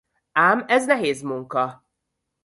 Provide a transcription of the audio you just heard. Ám ez nehéz munka.